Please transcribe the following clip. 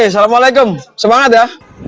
assalamu'alaikum semangat ya